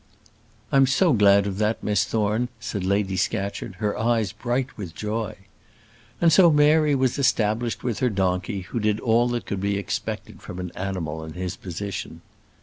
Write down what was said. "I'm so glad of that, Miss Thorne," said Lady Scatcherd, her eyes bright with joy. And so Mary was established with her donkey, who did all that could be expected from an animal in his position.